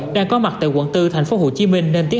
đang có mặt tại quận bốn tp hcm